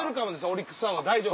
オリックスファンは大丈夫。